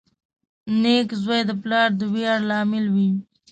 • نېک زوی د پلار د ویاړ لامل وي.